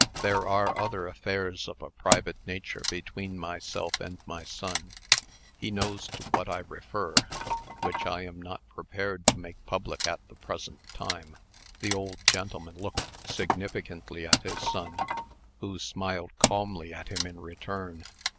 There are other affairs of a private nature between myself and my son he knows to what I refer which I am not prepared to make public at the present time." The old gentleman looked significantly at his son, who smiled calmly at him in return.